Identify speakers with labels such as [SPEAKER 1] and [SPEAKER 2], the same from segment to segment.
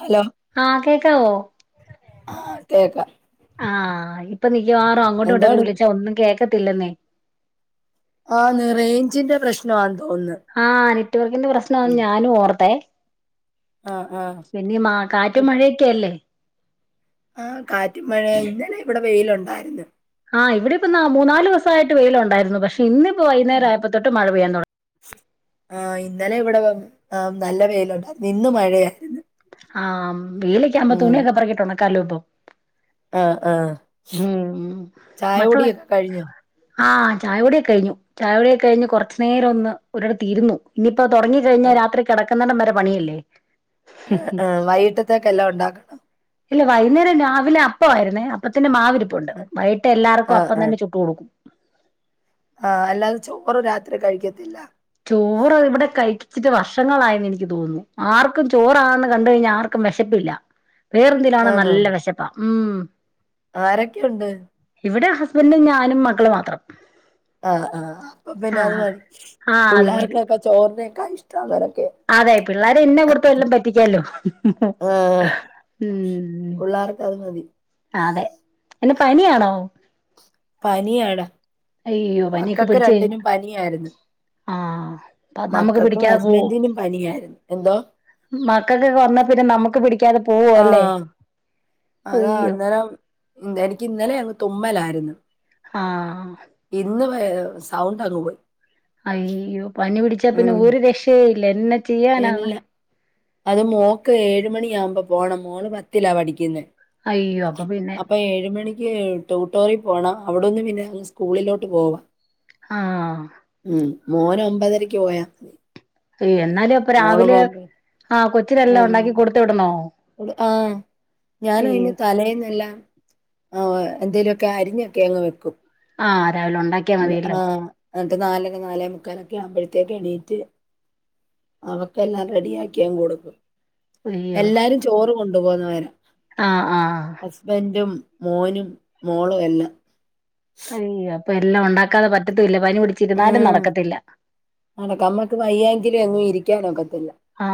[SPEAKER 1] Hello
[SPEAKER 2] ആ കേക്കാവോ
[SPEAKER 1] ആ കേക്കാം
[SPEAKER 2] ആ ഇപ്പൊ മിക്കവാറും അങ്ങോട്ടും ഇങ്ങോട്ടൊക്കെ
[SPEAKER 1] എന്താണ്
[SPEAKER 2] വിളിച്ചാ ഒന്നും കേ ക്കത്തില്ലെന്നേ
[SPEAKER 1] ആ ന്ന് റേയ്ഞ്ചിന്റെ പ്രശ്നാ
[SPEAKER 2] ആ നെറ്റ് വർക്കിന്റെ പ്രശ്നാണ് ഞാനും ഓർത്തേ
[SPEAKER 1] ആഹ് ആഹ്
[SPEAKER 2] പിന്നെ മാ കാറ്റ് മഴയൊക്കെയല്ലേ
[SPEAKER 1] ആ കാറ്റ് മഴ ഇന്നലെ ഇവിടെ വെയ്ല്ണ്ടായിരുന്ന്
[SPEAKER 2] ആ ഇവിടെ ഇപ്പം ന്നാ മൂന്നാല് ദിവസായിട്ട് വെയ്ല് ഉണ്ടായിരുന്നു പക്ഷെ ഇന്നിപ്പോ വൈകുന്നേരായപ്പത്തൊട്ട് മഴ പെയ്യാൻ തോട
[SPEAKER 1] ആഹ് ഇന്നലെ ഇവിടെ നല്ല വെയിലുണ്ടായിരുന്നു ഇന്ന് മഴയായിരുന്നു
[SPEAKER 2] ആഹ് വെയ്ലക്കാവുമ്പം
[SPEAKER 1] ഉം
[SPEAKER 2] തുണിയൊക്കെ പറകിട്ടൊണക് കലോപം
[SPEAKER 1] ആഹ് ആഹ്
[SPEAKER 2] ഉം
[SPEAKER 1] ചായ
[SPEAKER 2] മക്കള
[SPEAKER 1] കുടിയൊക്കെ കഴിഞ്ഞോ
[SPEAKER 2] ആഹ് ചായകുടിയൊക്കെയ്ഞ്ഞു ചായകുടിയൊകെ കയ്ഞ്ഞ് കൊർച്ച് നേരൊന്ന് ഒരിടത്തിരുന്നു നി പ്പൊ തൊടങ്ങിക്കഴിഞ്ഞാ രാത്രി കിടക് ടം വരെ പണിയല്ലേ
[SPEAKER 1] ഉം വൈകിട്ടത്തേക്കെല്ലാം ഉണ്ടാക്
[SPEAKER 2] ഇല്ല വൈന്നേരം രാവിലെ അപ്പായിരുന്നേ ത്തിന്റെ മാവിരിപ്പുണ്ട് വൈകിട്ട് എല്ലാർക്കും
[SPEAKER 1] ആഹ്
[SPEAKER 2] അപ്പം
[SPEAKER 1] ആഹ്
[SPEAKER 2] തന്നെ ചുട്ടു കൊടുക്കും
[SPEAKER 1] ആഹ് അല്ലാതെ ചോറ് രാത്രി കഴിക്കത്തില്ല
[SPEAKER 2] ചോറ് ഇവിടെ കൈ ട്ട് വർഷങ്ങളായെന്ന് എനിക്ക് തോന്നുന്നു ആർക്കും ചോറാണെന്ന് കണ്ട് കഴിഞ്ഞാൽ ആർക്കും വിശപ്പില്ല വേറെന്തിലാണ്
[SPEAKER 1] ആന്നോ
[SPEAKER 2] നല്ല വിശപ്പാ ഉം
[SPEAKER 1] ആരൊക്കെയുണ്ട്
[SPEAKER 2] ഇവിടെ ഹസ്ബൻറും ഞാനും മക്കള് മാത്രം
[SPEAKER 1] ആഹ് ആഹ് അപ്പൊ പിന്നെ അത്
[SPEAKER 2] ആഹ്
[SPEAKER 1] മതി
[SPEAKER 2] ആഹ് അത് മതി
[SPEAKER 1] പുള്ളാർക്കക്കോ ചോ അന്നേക്ക ഇഷ്ട അവരെ
[SPEAKER 2] അതെ പിള്ളേരെ ഇന്നെ കുടുത്ത വല്ലാം പറ്റിക്കല്ലോ
[SPEAKER 1] ആഹ്
[SPEAKER 2] ഉം
[SPEAKER 1] പിള്ളേർക്ക് അത് മതി
[SPEAKER 2] അതെ എന്നാ പനിയാണോ
[SPEAKER 1] പനിയാടാ
[SPEAKER 2] അയ്യോ
[SPEAKER 1] മക്കക്ക് രണ്ടിനും പനിയായിരുന്നു
[SPEAKER 2] ആ അ നമ്മുക്ക്
[SPEAKER 1] മക്കൾക്കും
[SPEAKER 2] പിടിക്കാ പോ
[SPEAKER 1] ഹസ്ബൻഡിനും പനിയായിരുന്നു എന്തോ
[SPEAKER 2] മക്കൾക്കൊക്കെ വന്ന പിന്നെ നമ്മുക്ക് പി പിക്കാതെ പോവോ
[SPEAKER 1] ആ
[SPEAKER 2] അല്ലേ
[SPEAKER 1] അതാ
[SPEAKER 2] അയ്യോ
[SPEAKER 1] അന്നേരം എനിക്ക് ഇന്നലെ തുമ്മലായിരുന്നു
[SPEAKER 2] ആ
[SPEAKER 1] ഇന്ന് സൗണ്ട് അങ്ങ് പോയി
[SPEAKER 2] അയ്യോ പനി പിടിച്ചാ പിന്നെ
[SPEAKER 1] ഉം.
[SPEAKER 2] ഒരു രക്ഷയും ഇല്ല ചെയ്യാനാണ്
[SPEAKER 1] ഇല്ല അത് മോക്ക് ഏഴു മണിയാകുമ്പോ പോണം മോള് പത്തിലാ പഠിക്കുന്നെ
[SPEAKER 2] അയ്യോ അപ്പൊ പിന്നെ
[SPEAKER 1] എനിക്ക് ട്യൂട്ടോറിൽ പോണം അവിടൊന്ന് പിന്നെ സ്കൂളിലോട്ട് പോവും
[SPEAKER 2] ആ
[SPEAKER 1] മോന് ഒമ്പതരക്ക് പോയാൽ മ
[SPEAKER 2] അ എന്നാലും ഇപ്പൊ രാവിലെ ആഹ
[SPEAKER 1] ആ
[SPEAKER 2] കൊച്ചിലെല്ലാം ഉണ്ടാക്കി കൊടുത്ത് വിടണോ
[SPEAKER 1] ആ ഞാൻ അതിന്
[SPEAKER 2] അയ്യോ
[SPEAKER 1] തലേന്നെല്ലാം ആ എന്തേലുമൊക്കെ അരിഞ്ഞൊക്കെ അങ്ങ് വെക്കും
[SPEAKER 2] ആഹ് രാവിലെ ഉണ്ടാക്കിയാ മതിയല്ലോ
[SPEAKER 1] ആഹ എന്നിട്ട് നാലൊക്കെ നാലേ മുക്കാലൊക്കെ ആവുമ്പഴേ എണീട്ട് അവക്കെല്ലാം റെഡി ആക്കിഎങ്ങ് കൊടുക്കും
[SPEAKER 2] അയ്യോ
[SPEAKER 1] എല്ലാരും ചോറ് കൊണ്ടു പോകുന്നവരാ
[SPEAKER 2] ആഹ് ആഹ്
[SPEAKER 1] ഹസ്ബൻഡും മോനും മോളും എല്ലാം
[SPEAKER 2] അയ്യാ ഇപ്പ എല്ലാം ഉണ്ടാക്കാതെ പറ്റത്തില്ല പനി പിടിച്ചിരുന്നാലും
[SPEAKER 1] ഉം
[SPEAKER 2] നടക്കത്തില്ല
[SPEAKER 1] ങ്കിലും എങ്ങും ഇരിക്കാനൊക്കെ
[SPEAKER 2] ആ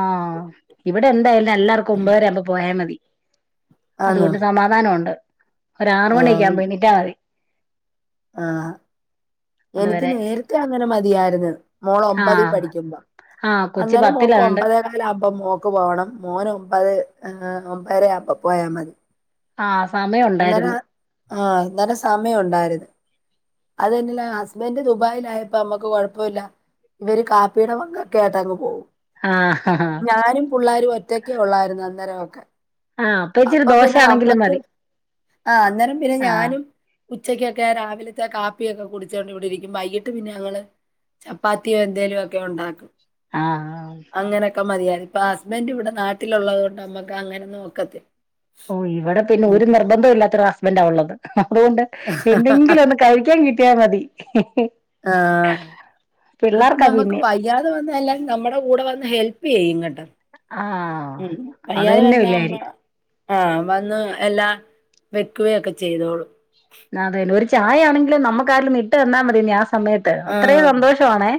[SPEAKER 2] ഇവിടെ എന്തായാലും എല്ലാർക്കും ഒമ്പതര ആവുമ്പോ പോയാ മതി
[SPEAKER 1] ആന്നോ
[SPEAKER 2] അതുകൊണ്ട് സമാധാനം ഒണ്ട് ഒരാറു മണിയൊക്കെ ആകുമ്പോ എണീറ്റാ മതി
[SPEAKER 1] ആഹ എനിക്ക്
[SPEAKER 2] അതുവരെ
[SPEAKER 1] നേരത്തെ അങ്ങനെ മതിയായിരുന്നു മോൾ ഒമ്പതി
[SPEAKER 2] ആഹ്
[SPEAKER 1] പഠിക്കുമ്പോ
[SPEAKER 2] ആഹ് കൊച്ച്
[SPEAKER 1] അന്നേരം മോക്ക്
[SPEAKER 2] പത്തിലാണ്ട്
[SPEAKER 1] ഒമ്പതേ കാല് ആകുമ്പോ മോക്ക് പോകണം മോന് ഒമ്പത് ആ ഒമ്പതരായാപ്പ പോയാ മതി
[SPEAKER 2] ആഹ
[SPEAKER 1] അന്നേര ആഹ അന്നേരം സമയം ഒണ്ടായിരുന്നു അതന്നെല്ല ഹസ്ബൻഡ് ദുബായിലായപ്പോ നമ്മുക്ക് കുഴപ്പമില്ല ഇവര് കാപ്പിയുടെ പങ്കൊക്കെ ആട്ട് അങ്ങ് പോകും
[SPEAKER 2] ആഹ്
[SPEAKER 1] ഞാനും പിള്ളാരും ഒറ്റക്കെ ള്ളായിരുന്നു അന്നേരം [inaudible]
[SPEAKER 2] ആഹ് ഇച്ചിരി
[SPEAKER 1] അപ്പൊ പിന്നെ
[SPEAKER 2] ദോശയാണെങ്കിലും
[SPEAKER 1] നമ്മക്ക്
[SPEAKER 2] മതി
[SPEAKER 1] ആ അന്നേരം പിന്നെ
[SPEAKER 2] ആഹ്
[SPEAKER 1] ഞാനും ഉച്ചക്കൊക്കെ രാവിലെ പിന്നെ കാപ്പിയൊക്കെ കുടിച്ചോണ്ട് ഇവിടെ ഇരിക്കും ത്തെ വൈകിട്ട് പിന്നെ ഞങ്ങൾ ചപ്പാത്തിയോ എന്തേങ്കലു ഒക്കെ ഒണ്ടാക്കും
[SPEAKER 2] ആഹ്
[SPEAKER 1] അങ്ങനെയൊക്കെ മതിയ ഇപ്പൊ ഹസ്ബൻഡ് ഇവിടെ നാ- ട്ടിൽ ഉള്ളത് കൊണ്ട് നമ്മക്ക് അങ്ങനെയൊന്നും ഒക്കത്തില്ല
[SPEAKER 2] ഓ ഇവിടെ പിന്നെ ഒരു നിർബന്ധം ഇല്ലാത്തവര ഹസ്ബന്റ് ആ ഒള്ളത് അതുകൊണ്ട് എന്തെങ്കിലും ഒന്ന് കഴിക്കാൻ കിട്ടിയാൽ മതി
[SPEAKER 1] ആ ഇവിടെ പിന്നെ നമ്മുക്ക് വയ്യാതെ വന്ന എല്ലാരുംനമ്മുടെ കൂടെ വന്ന് ഹെൽപ്പ് എയ്യും ഇങ്ങട്ട്
[SPEAKER 2] ആഹ അത് തന്നെ വല്ല്യകാര്യം
[SPEAKER 1] ആഹ വന്ന് എല്ലാ വെക്കുകയൊക്കെ ചെയ്തോളും
[SPEAKER 2] ആ അതെ ലോറി ചായ ആണെങ്കിലിൽ നമ്മക്ക് ആരെങ്കിലും ഇട്ട് തന്ന മതി ഞാ സമയത്ത് അത്രയും സന്തോഷം അണ്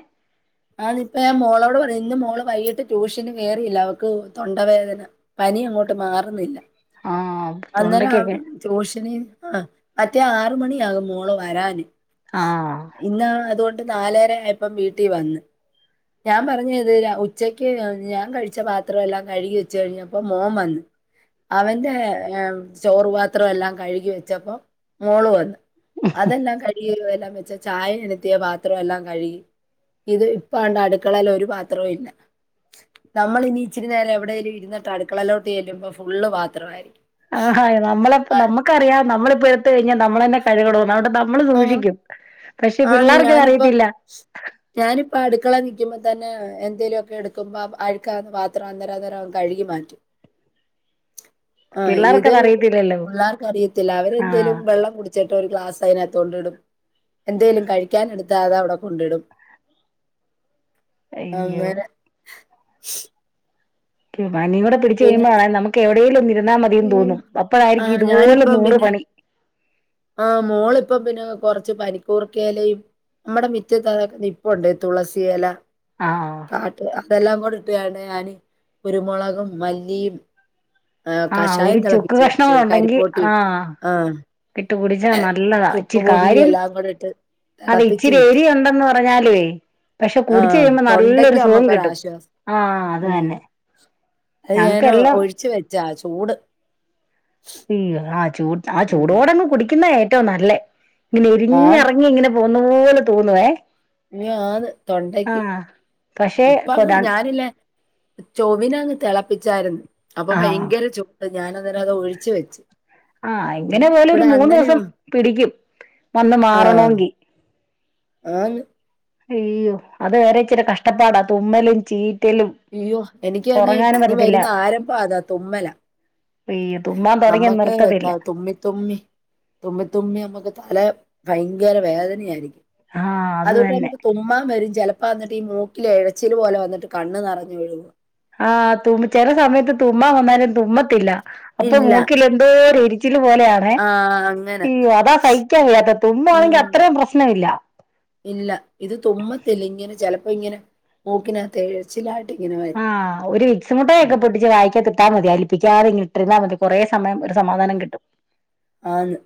[SPEAKER 1] ആതിപ്പ മോളോട് പറിം ഇന്ന് മോള് വൈകിട്ട് ട്യൂഷന് കേയറിയില്ല അവക്ക് തൊണ്ടവേദന പനി അങ്ങോട്ട് മാറുന്നില്ല
[SPEAKER 2] ആഹ്
[SPEAKER 1] അന്നേരം
[SPEAKER 2] തൊണ്ടക്കൊക്കെ
[SPEAKER 1] ട്യുഷനി ആഹ് അറ്റ് കൃത്യം ആറ് മണിയാകും മോൾ വരാന്.
[SPEAKER 2] ആഹ്
[SPEAKER 1] ഇന്നാണ് അതൊണ്ട് നാലര ആയപ്പോ വീട്ടി വന്ന് ഞാൻ പറഞ്ഞത് ഉച്ചക്ക് ഞാൻ കഴിച്ച പാത്രം എല്ലാം കഴുകി വെച്ച കഴിഞ്ഞപ്പോ മോൻ വന്ന് അവന്റെ ഏർ ചോറുപാത്രം എല്ലാം കഴുകി വെച്ചപ്പോ മോള് വന്നു അതല്ല കഴി യെരു എല്ലവെച്ച ചായ എനത്തിയ പാത്രം എല്ലാം കഴുകി ഇത് ഇപ്പണ്ട അടുക്കളയില ഒരു പാത്രവും ഇല്ല നമ്മൾ ഇനി ഇച്ചിരി നേരം എവിടെലും ഇരുന്നിട്ട് അടുക്കളയിലോട്ട് ചെല്ലുമ്പോ ഫുള്ള് പാത്രവായിരിക്കും
[SPEAKER 2] ആഹ് നമ്മള് നമ്മക്കറിയാം നമ്മളി എടുത്ത കഴിഞ്ഞാ നമ്മളന്നെ കഴുക്കണം ന്ന് [unintelligible]
[SPEAKER 1] ആ ആന്ന്
[SPEAKER 2] പിള്ളേർക്കത്
[SPEAKER 1] ഞാനിപ്പം
[SPEAKER 2] അറിയത്തില്ല
[SPEAKER 1] ഞാനിപ്പ അടുക്കള നിക്കിമ്പം ത എന്തേലു ഒക്കെ എടുക്കുമ്പോ അഴുക്കാകുന്ന പാത്രം അന്നേരം അന്നരം കഴുകി മാറ്റും ആ ഇത്
[SPEAKER 2] പിള്ളേർക്കത് അറിയത്തില്ലല്ലോ
[SPEAKER 1] പിള്ളേർക്ക് അറിയത്തില്ല അവരെന്തേലും
[SPEAKER 2] ആഹ്
[SPEAKER 1] വെള്ളം കുടിച്ചിട്ടോ ഒരു ഗ്ലാസ് [inaudible] കൊണ്ടിടും എന്തേലും കഴിക്കാൻ എടുത്ത അത് അവിടെ കൊണ്ടിടും
[SPEAKER 2] അയ്യോ
[SPEAKER 1] അന്നേര
[SPEAKER 2] പനിം കൂടെ പിടിച്ചു
[SPEAKER 1] പിന്നെ
[SPEAKER 2] കഴിയുമ്പോ അറിയാം നമുക്ക് എവിടെലും ഒന്ന് ഇരുന്നാ മതീന്ന്
[SPEAKER 1] ഈ,
[SPEAKER 2] തോന്നും
[SPEAKER 1] ആ
[SPEAKER 2] അപ്പളായിരിക്കും ഇതുപോലെ
[SPEAKER 1] ഞാനിപ്പം
[SPEAKER 2] നൂറ്
[SPEAKER 1] പിന്നെ
[SPEAKER 2] പണി
[SPEAKER 1] ആ മോള് ഇപ്പം പിന്നെ കൊറച്ച് പനിക്കൂർക്കേലയും മ്മടെ മിറ്റത്ത് അതൊക്കെ നിപ്പോണ്ട് തുളസിയല
[SPEAKER 2] ആഹ്
[SPEAKER 1] കാട്ട് അതെല്ലാം കൂടി ട്ട് വേണ്ടേ ഞാന് കുരുമുളകും മല്ലിയും ആ
[SPEAKER 2] ആഹ്
[SPEAKER 1] കഷായം
[SPEAKER 2] ഒരു ചുക്ക്
[SPEAKER 1] തിളപ്പിച്ച്
[SPEAKER 2] കഷ്ണം
[SPEAKER 1] വെച്ച്
[SPEAKER 2] ഉണ്ടെങ്കി
[SPEAKER 1] കരിപ്പോട്ടി ഇട്ട്
[SPEAKER 2] ആഹ്
[SPEAKER 1] ആ
[SPEAKER 2] ഇട്ട് കുടിച്ച നല്ലതാ
[SPEAKER 1] ചുക്ക്
[SPEAKER 2] ഇച്ചി
[SPEAKER 1] പൊടിയും
[SPEAKER 2] കാര്യം
[SPEAKER 1] എല്ലാം കൂടെ ഇട്ട്
[SPEAKER 2] അതെ
[SPEAKER 1] തിളപ്പിച്ച്
[SPEAKER 2] ഇച്ചിരി
[SPEAKER 1] വെച്ചു.
[SPEAKER 2] എരി ഉണ്ടന്ന് പ വരാലേ
[SPEAKER 1] ആ തൊണ്ടക്ക് നമ്മക്കൊരാശ്വാസം
[SPEAKER 2] ആഹ് അത്
[SPEAKER 1] ഉം
[SPEAKER 2] തന്നെ
[SPEAKER 1] അത് ഞനോ
[SPEAKER 2] ഞങ്ങക്കെല്ലാം
[SPEAKER 1] ഒഴിച്ചു വെച്ച ആശ്വാ ചൂട്
[SPEAKER 2] അയ്യോ ആ ചൂട് ആ
[SPEAKER 1] ഉം
[SPEAKER 2] ചൂടോടങ് കുടിക്കുന്നേ റ്റവും നല്ലേ ഇങ്ങനെ
[SPEAKER 1] ആന്ന്
[SPEAKER 2] എരിഞ്ഞിറങ്ങി ഇങ്ങനെ പോകുന്ന പോല തോന്നുവേ
[SPEAKER 1] അയ്യോ ആന്ന് തൊണ്ടയ്ക്ക്
[SPEAKER 2] ആഹ് പക്ഷെ
[SPEAKER 1] ഇപ്പ
[SPEAKER 2] കൊതാ
[SPEAKER 1] അങ്ങോട്ട് ഞാനില്ല ചൊവിനങ്ങ് തിളപ്പിച്ചാരുന്നു അപ്പൊ
[SPEAKER 2] ആഹ്
[SPEAKER 1] ഭയങ്കര ചൂട് ഞാനന്നേരത് ഒഴിച്ച് വെച്ച്
[SPEAKER 2] ആ എങ്ങനെ പോലെ ഒരു
[SPEAKER 1] ഇവിടെ അണ്ണന്
[SPEAKER 2] മൂന്നൂസം പിടിക്കും വന്ന്
[SPEAKER 1] ആഹ്
[SPEAKER 2] മാറണോങ്കി
[SPEAKER 1] ആന്ന്
[SPEAKER 2] അയ്യോ അത് വേറെ ഇച്ചിരി കഷ്ടപ്പാടാ തുമ്മലും ചീ
[SPEAKER 1] അയ്യോ എനിക്ക് അയ്ന്ന് പനി
[SPEAKER 2] പറ്റത്തില്ല
[SPEAKER 1] വരുന്ന ആരംഭ അതാ തുമ്മല
[SPEAKER 2] അയ്യോ തുമ്മാൻ തുടങ്ങിയ
[SPEAKER 1] നമ്മക്ക്
[SPEAKER 2] നിർത്തത്തില്ല
[SPEAKER 1] ത തുമ്മി തുമ്മി തുമ്മ തുമ്മി അമ്മക്ക് തല ഭയങ്കര വേദനയായിരിക്കും
[SPEAKER 2] ആഹ് അത്
[SPEAKER 1] അതോട്ട്
[SPEAKER 2] തന്നെ
[SPEAKER 1] നമുക്ക് തുമ്മാ വരും ചെലപ്പ വന്നിട്ട് ഈ മൂക്കിലെ എഴച്ചിലു പോലെ വന്നിട്ട് കണ്ണ് നിറഞ്ഞൊഴുക
[SPEAKER 2] ആ തുമ്മി ചെല സമയത്ത് തുമ്മ വന്നാലും തുമ്മത്തില്ല അപ്പൊ
[SPEAKER 1] ഇല്ല
[SPEAKER 2] മൂക്കിൽ എന്തോരു എരിച്ചില് പോലെയാണേ
[SPEAKER 1] ആഹ് അങ്ങനെ
[SPEAKER 2] ഉം അതാ സഹിക്കാൻ കയ്യാത്തത് തുമ്മ ആണെങ്കിൽ
[SPEAKER 1] ഉം
[SPEAKER 2] അത്രയും പ്രശ്നമില്ല
[SPEAKER 1] അപ്പൊ ഇങ്ങനെ മൂക്കിനാതെ [unintelligible]
[SPEAKER 2] ആ ഒരു വിക്സ മുട്ടായിയൊക്കെ പൊട്ടിച്ച് വായിക്കാത്ത് ഇട്ടാൽ മതി അലിപ്പിക്കാതെ ങ്ങി ഇട്ടിരുന്നാ മതി കുറേ സമയം ഒരു സമാധാനം കിട്ടും.
[SPEAKER 1] ആന്ന്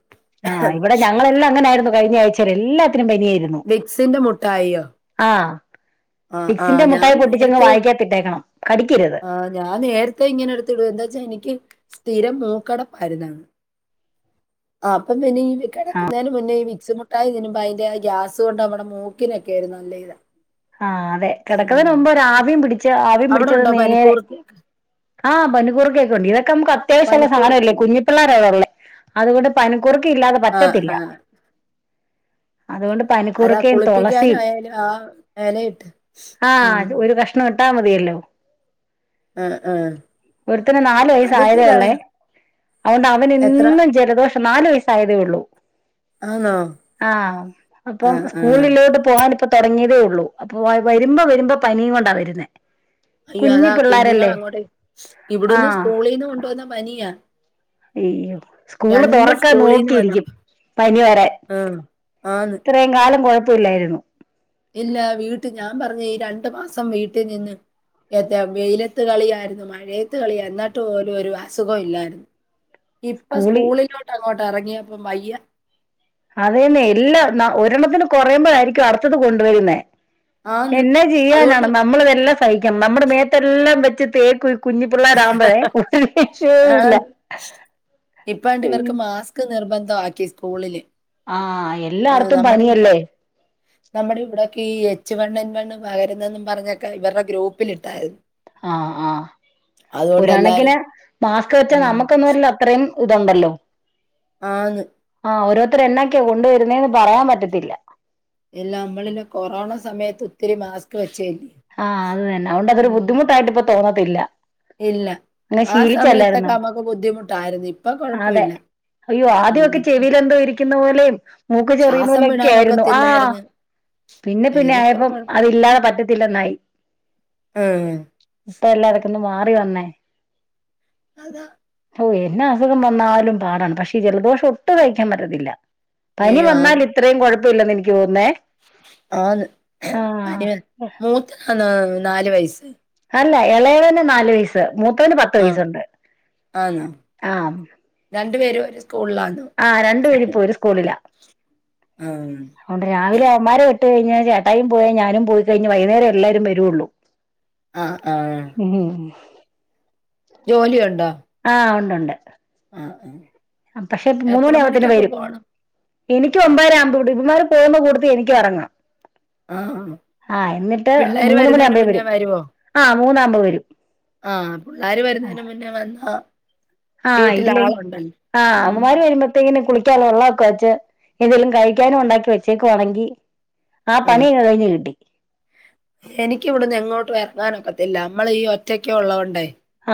[SPEAKER 2] ആ ഇവിടെ ഞങ്ങളെല്ലാം അങ്ങനെയിരുന്നു കഴിഞ്ഞ ആഴ്ച എല്ലാം
[SPEAKER 1] വിക്സിന്റെ മുട്ടായിയോ
[SPEAKER 2] ആഹ് വിക്സിന്റെ മുട്ടായി പൊട്ടിച്ചങ്ങ് വായിക്കാ
[SPEAKER 1] ആ ഞാൻ നേരത്തെ ഇങ്ങനെ എടുത്തിടു എന്താ വച്ചാ എനിക്ക് സ്ഥിരം മൂക്കടപ്പായിര്ന്നെ, ആപ്പം പിന്നെ ഈ
[SPEAKER 2] ആഹ്
[SPEAKER 1] കെടെക്കുന്നേന് മുന്നേ ഈ വി സ് മുട്ടായി തിന്നുമ്പ അയിന്റെ ആ ഗ്യാസ് കൊണ്ട് നമ്മടെ മൂക്കിനൊക്കെര് നല്ല ഇതാ
[SPEAKER 2] ആ അതെ കിടക്ക്‌ന്നതിന്
[SPEAKER 1] ഉം.
[SPEAKER 2] മുമ്പ് ഒര് ആവിയും പിടി ച്ച ആവിം
[SPEAKER 1] അവിടെ
[SPEAKER 2] പിടിച്ചത്
[SPEAKER 1] ഉണ്ടോ
[SPEAKER 2] നേരെ
[SPEAKER 1] പനിക്കൂർക്ക?
[SPEAKER 2] ആ പനിക്കൂർക്കക്കെ ഉണ്ട്. ഇതെ ക്ക നമുക്ക് അത്യാശ്യല്ല സാനല്ലേ,
[SPEAKER 1] പനിക്കൂർക്കയുണ്ടോ?
[SPEAKER 2] കുഞ്ഞി പിള്ളേരാ ഇവ്ടെ ഇള്ളേ അതുകൊണ്ട് പനി കൂർക്ക ഇല്ലാതെ പറ്റത്തില്ല. അതുകൊണ്ട്
[SPEAKER 1] അത് ആ
[SPEAKER 2] പനിക്കൂർക്കയും തുളസിയും
[SPEAKER 1] കുളിപ്പിക്കാനായാലു ആ എലയിട്ട് ഉം
[SPEAKER 2] ട്ട മതിയല്ലോ
[SPEAKER 1] ആ
[SPEAKER 2] ഒരുത്തന് നാാലു വയസ ആായത
[SPEAKER 1] വേ
[SPEAKER 2] ഉള്ളേ അതൊണ്ട്
[SPEAKER 1] എത്ര
[SPEAKER 2] അവനെന്നും ജലദോഷ പക്ഷ നാല് വയസ്സായതേ ഉള്ളൂ
[SPEAKER 1] ആന്നോ?
[SPEAKER 2] ആ അപ്പം
[SPEAKER 1] ആഹ് ആഹ്
[SPEAKER 2] സ്കൂളിലോട്ട് പോകൻപ്പ തുടങ്ങിയതേ ഉള്ളൂ അപ്പൊ വരുമ്പോ വരുമ്പോ പനിയും കൊണ്ടാ വരുന്നേ
[SPEAKER 1] അയ്യോ
[SPEAKER 2] കുഞ്ഞി
[SPEAKER 1] അതാ കുഞ്ഞുങ്ങൾ
[SPEAKER 2] പിള്ളാരല്ലേ
[SPEAKER 1] അങ്ങോട്ടേ ഇവിടന്ന്
[SPEAKER 2] ആഹ്
[SPEAKER 1] സ്കൂളിൽന്ന് കൊണ്ട വന്ന പനിയാ
[SPEAKER 2] അയ്യോ സ്കൂള്
[SPEAKER 1] രണ്ടും
[SPEAKER 2] തുറക്കാൻ
[SPEAKER 1] സ്കൂളീന്ന്
[SPEAKER 2] നോക്കിയിരിക്കും
[SPEAKER 1] വന്നതാ.
[SPEAKER 2] പനി വരൻ
[SPEAKER 1] ആഹ് ആന്ന്.
[SPEAKER 2] ഇത്രയും കാലം കുഴപ്പ ല്ലായിരുന്നു
[SPEAKER 1] ഇല്ല വീട്ട് ഞാൻ പറഞ്ഞു ഈ രണ്ടു മാസം വീട്ടിൽ നിന്ന് ഏ വെയിലത്ത് കളിയായിരുന്നു മഴയത്ത് കളി എന്നിട്ട് പോലും ഒരു അസുഖം ഇല്ലായിരുന്നു ഇപ്പൊ
[SPEAKER 2] സ്കൂളി
[SPEAKER 1] സ്കൂളിലോട്ട് അങ്ങോട്ട് ഇറങ്ങിയപ്പ വയ്യ
[SPEAKER 2] അതെന്നെ എല്ലാ ഒരെണ്ണത്തിന് കുറയുമ്പോ ആയിരിക്കും അടുത്തത് കൊണ്ടുവരുന്നേ
[SPEAKER 1] ആന്ന്.
[SPEAKER 2] എന്നെ ചെയ്യാനാണ്
[SPEAKER 1] അതുകൊണ്ട്
[SPEAKER 2] നമ്മളിതെല്ലാം സഹിക്കാം നമ്മുടെ മേത്തെല്ലാം വെച്ച് തേക്കും കുഞ്ഞി പിള്ളേരാകുമ്പഴേ ഒരു രക്ഷയില്ല
[SPEAKER 1] ആന്ന്.
[SPEAKER 2] അയ്യി
[SPEAKER 1] ആക്കി സ്കൂളില് ആ
[SPEAKER 2] എല്ലായിടത്തും
[SPEAKER 1] നമ്മുടെ ഇവിടെ
[SPEAKER 2] പനിയല്ലേ
[SPEAKER 1] നമ്മുടെ ഇവിടൊക്കെ ഈ എച്ച് വൺ വണ്ണും പകരുന്നെന്നും പറഞ്ഞൊക്കെ ഇവരുടെ ഗ്രൂപ്പിലിട്ടായിരുന്നു
[SPEAKER 2] ആഹ് ആഹ് ഒരു
[SPEAKER 1] അതുകൊണ്ട് എല്ലാരും
[SPEAKER 2] കണക്കിന് മാക്സ് വെച്ചാ
[SPEAKER 1] മ്മ്.
[SPEAKER 2] നമ്മുക്കൊരില്ല അത്രയും ഇതുണ്ടല്ലോ
[SPEAKER 1] ആണ്
[SPEAKER 2] ആ ഓരോരുത്തർ എന്നൊക്കെയാ കൊണ്ടുവരുന്നേന്ന് പറയാൻ പറ്റത്തില്ല
[SPEAKER 1] എല്ല നമ്മളില് കൊറോണ സമയത്ത് ഒത്തിരി മാസ്ക് വെച്ച
[SPEAKER 2] ആഹ് അത് തന്നെ അതു കൊണ്ട് ഒരു ബുദ്ധിമുട്ടായിട്ട് ഇപ്പോ തോന്ന ത്തില്ല
[SPEAKER 1] ഇല്ല ആ സമയത്തൊക്കെ നമ്മുക്ക് ബുദ്ധിമുട്ടായിരുന്നു ഇപ്പൊ
[SPEAKER 2] അതെ
[SPEAKER 1] കൊഴപ്പമില്ല
[SPEAKER 2] അയ്യോ
[SPEAKER 1] ആ
[SPEAKER 2] ആദ്യമൊക്കെ
[SPEAKER 1] ഇപ്പ
[SPEAKER 2] ചെവിയിലെന്തോ ഇരിക്കുന്ന [inaudible] മൂക്ക് ചെറിയുന്നൂലൊക്കെ ആയിരുന്നു ആ പിന്നെ പിന്നെ
[SPEAKER 1] ഇതിപ്പോ
[SPEAKER 2] ആയപ്പം
[SPEAKER 1] കൊഴ
[SPEAKER 2] അതില്ലാതെ പറ്റ
[SPEAKER 1] ആഹ്
[SPEAKER 2] [unintelligible] ഇപ്പോ എല്ലാവർക്കും ന്ന് മാറി വന്നേ
[SPEAKER 1] അതാ
[SPEAKER 2] ഓ എന്നെ അസുഖം വന്നാലും പാടാണ് പക്ഷേ ഈ ജലദോഷം ഒട്ടും സഹിക്കാൻ പറ്റത്തില്ല പനി
[SPEAKER 1] അയ്യോ
[SPEAKER 2] വന്നാൽ
[SPEAKER 1] ആന്ന്
[SPEAKER 2] ഇത്രയും കുഴപ്പ ഇല്ലെന്ന് എനിക്ക് തോന്നുന്നേ
[SPEAKER 1] ആന്ന്
[SPEAKER 2] ആഹ്
[SPEAKER 1] പനി മൂത്തതാന്നോ നാല്‌വയസ്സ്
[SPEAKER 2] അല്ല ഇളയതിന് നാല് വയസ്സ് മൂത്തതിന് പത്ത്
[SPEAKER 1] ആഹ്
[SPEAKER 2] വയസുണ്ട് ആ
[SPEAKER 1] രണ്ടു പേരും
[SPEAKER 2] ആ രണ്ടു പേരും ഇപ്പോ ഒര് സ്കൂളിലാ
[SPEAKER 1] ആഹ്
[SPEAKER 2] അതുകൊണ്ട് രാവിലെ അമാര് കേട്ട കഴിഞ്ഞാ ചേട്ടായും പോയാേ ഞാനും പോയി കഴിഞ്ഞ് വൈകുന്നേരം എല്ലാവരും വരുള്ളൂ
[SPEAKER 1] ആഹ്
[SPEAKER 2] ഉം
[SPEAKER 1] ജോലി ഒണ്ട
[SPEAKER 2] ആ ഒണ്ട് ഒണ്ട്
[SPEAKER 1] ആ
[SPEAKER 2] ആ പക്ഷെ മൂന്ന് മണിയാവൂത്തേന് വരും എനിക്ക് ഒമ്പര ആകുമ്പ ഇവിടു ഇവന്മാര് പോകുന്ന കൂട്ടത്തിൽ എനിക്കും എറങ്ങാം
[SPEAKER 1] ആഹ് പിള്ളേര്
[SPEAKER 2] മൂന്ന്
[SPEAKER 1] വരുന്നേന്
[SPEAKER 2] മണിയാകുമ്പഴേ
[SPEAKER 1] മുന്നേ
[SPEAKER 2] വരും
[SPEAKER 1] വരുവോ
[SPEAKER 2] ആഹ് മൂന്നാകുമ്പോ വരും
[SPEAKER 1] ആ പുള്ളാര് വരുന്നേന് മുന്നേ വന്നാ
[SPEAKER 2] ആഹ് ഇല്ലേ
[SPEAKER 1] വീട്ടിലാളുണ്ടല്ലോ.
[SPEAKER 2] ആഹ്
[SPEAKER 1] ഉം
[SPEAKER 2] അവമ്മാര് വരുമ്പോത്തേക്കന് കുളിക ക്കാൻ വെള്ളൊക്കെ വച്ച് എന്തേലും കഴിക്കാനും ഉണ്ടാക്കി വെച്ചേക്കു വാണെങ്കി
[SPEAKER 1] ആ എനിക്കിവിടുന്ന് എങ്ങോട്ടും ഇറ ങ്ങാനൊക്കത്തില്ല മ്മളി ഒറ്റക്ക്‌ ഒള്ളോണ്ടേ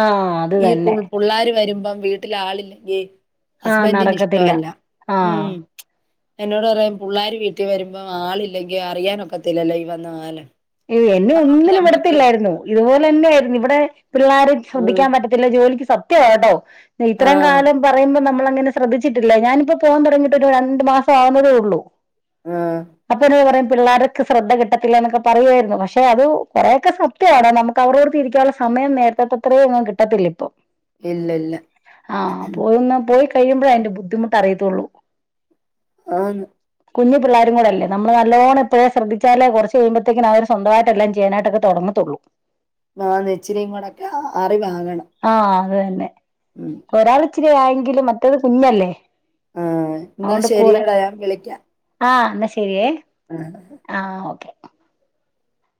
[SPEAKER 2] ആ അത് തന്നെ
[SPEAKER 1] പ്പം വീട്ടിലാളില്ലെങ്കി
[SPEAKER 2] ആഹ്
[SPEAKER 1] ഹസ്ബൻറിന്
[SPEAKER 2] നടക്കത്തില്ല
[SPEAKER 1] ഇഷ്ടമല്ല
[SPEAKER 2] ആഹ്
[SPEAKER 1] ഉം എന്നോട് പറയും പുള്ളാര് വീട്ടിൽ വരുമ്പോ ആളില്ലെങ്കി അറിയാനൊക്കത്തില്ലല്ലോ ഈ വന്ന ആലാ
[SPEAKER 2] യ്യോ എന്നെ ഒന്നിനും വിടത്തില്ലായിരുന്നു ഇതുപോലെന്നായിരുന്നു ഇവിടെ പിള്ളേരെ
[SPEAKER 1] ആഹ്
[SPEAKER 2] ശ്രദ്ധിക്കാൻ പറ്റത്തില്ല ജോലിക്ക് സ് സത്യാ വാ കേട്ടോ ഇത്രേം
[SPEAKER 1] ആഹ്
[SPEAKER 2] കാലം പറയുമ്പോ നമ്മള് അങ്ങനെ ശ്രദ്ധിച്ചിട്ടില്ല ഞാനിപ്പോ പോവാൻ തൊടങ്ങിട്ട് ഒരു രണ്ട് മാസം ആവുന്നതേ ഉള്ളൂ
[SPEAKER 1] ആഹ്
[SPEAKER 2] അപ്പൊരു [unintelligible] പറയും പിള്ളേർക്ക് ശ്രദ്ധ കിട്ടത്തില്ല എന്നൊക്കെ പറയുവായിരുന്നു പക്ഷെ അത് കൊറെക്കൊ സത്യമാണ് നമുക്ക് അവരോടൊത്തിരിക്കാനുള്ള സമയം നേരത്തെത്തത്രയും ഒന്നും കിട്ടത്തില്ല ഇപ്പൊ
[SPEAKER 1] ഇല്ലില്ല.
[SPEAKER 2] ആഹ് പോവുന്ന പോയ് ഒന്ന് പോയി കഴിയുമ്പഴേ അതിന്റെ ബുദ്ധിമുട്ട് അറിയത്തുള്ളൂ
[SPEAKER 1] ആന്ന്
[SPEAKER 2] കുഞ്ഞു പിള്ളാരും കൂടല്ല നമ്മള് നല്ലപോലെ ഇപ്പഴേ ശ്രദ്ധിച്ചാലെ കൊറച്ച് കഴിയുമ്പോ തേക്കന് അവര് സ്വന്തമായിട്ട് എല്ലാം ചെയ്യാനായിട്ടൊക്കെ തൊടങ്ങത്ത്ള്ളൂ
[SPEAKER 1] ആന്നേ ഇച്ചിരിം കൂടൊക്കെ ആവ് അറിവാകണം
[SPEAKER 2] ആഹ് അത് തന്നെ
[SPEAKER 1] ഉം.
[SPEAKER 2] ഒരാള് ഇച്ചിരി ആയെങ്കിലും മറ്റേത് കുഞ്ഞല്ലേ
[SPEAKER 1] ആഹ് എന്നാ
[SPEAKER 2] അതുകൊണ്ട് കൂടെ
[SPEAKER 1] ശരിയെട ഞാൻ വിളിക്കാം
[SPEAKER 2] ആഹ് എന്നാ ശരിയേ
[SPEAKER 1] അഹ്
[SPEAKER 2] ആഹ് ഓക്കെ